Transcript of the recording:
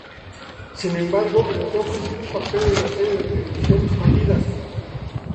Sin embargo, le fue ofrecido un papel en la serie de televisión "Escondidas".